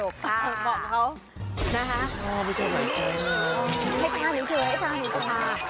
บอกเขานะฮะไม่เจอเหมือนกันแค่ข้านี้เฉยให้ข้างดูค่ะ